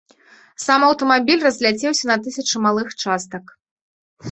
Сам аўтамабіль разляцеўся на тысячы малых частак.